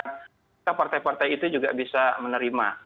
kita partai partai itu juga bisa menerima